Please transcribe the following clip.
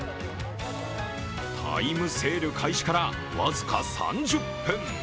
タイムセール開始から僅か３０分。